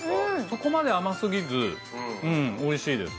そこまで甘すぎずおいしいです